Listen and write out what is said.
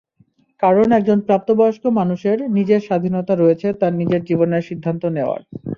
কারণ একজন প্রাপ্তবয়স্ক মানুষের নিজের স্বাধীনতা রয়েছে তার নিজের জীবনের সিদ্ধান্ত নেওয়ার।